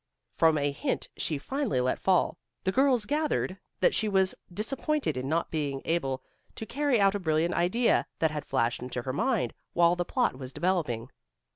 From a hint she finally let fall, the girls gathered that she was disappointed in not being able to carry out a brilliant idea that had flashed into her mind while the plot was developing.